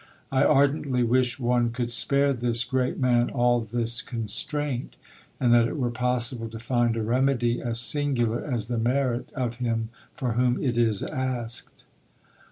"I ardently wish one could spare this great man all this constraint, and that it were possible to find a remedy as singular as the merit of him for whom it is asked."